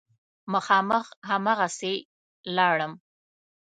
مخامخ هماغسې لاړم.